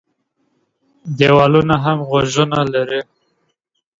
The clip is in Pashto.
ديوالونه هم غوږونه لري.